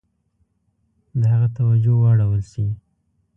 د هغه توجه واړول شي.